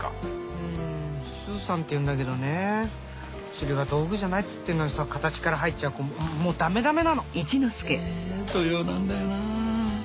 うん。スーさんっていうんだけどね釣りは道具じゃないっつってんのにさ形から入っちゃうもうダメダメなの。え土曜なんだよなぁ。